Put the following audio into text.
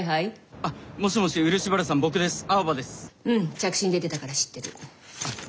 着信出てたから知ってる。